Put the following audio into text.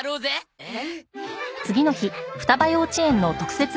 えっ？